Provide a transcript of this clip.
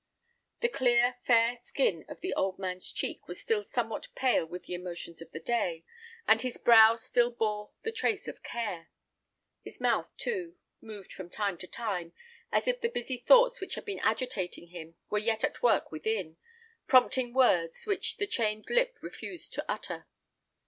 The clear, fair skin of the old man's cheek was still somewhat pale with the emotions of the day, and his brow still bore the trace of care. His mouth, too, moved from time to time, as if the busy thoughts which had been agitating him were yet at work within, prompting words which the chained lip refused to utter.